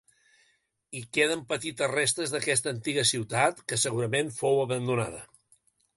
Hi queden petites restes d'aquesta antiga ciutat, que segurament fou abandonada.